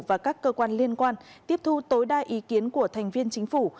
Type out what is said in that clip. và các cơ quan liên quan tiếp thu tối đa ý kiến của thành viên chính phủ